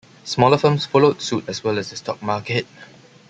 Smaller firms followed suit as well as the stock market.